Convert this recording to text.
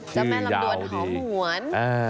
เจ้าแม่ลำดวนหอมหวน